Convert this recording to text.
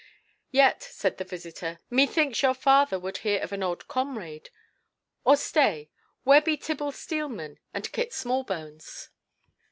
"Yet," said the visitor, "methinks your father would hear of an old comrade. Or stay, where be Tibble Steelman and Kit Smallbones?"